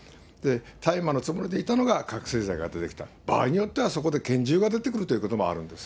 大麻のつもりでいたのが覚醒剤が出てきた、場合によってはそこで拳銃が出てくるということもあるんです。